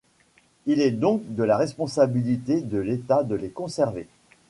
Il est donc de la responsabilité de l'État de les conserver.